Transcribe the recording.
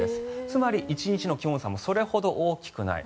つまり１日の気温差もそれほど大きくない。